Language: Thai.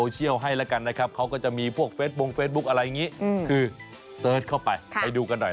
มีคุณผู้ชมทั้งบ้านส่งมาด้วย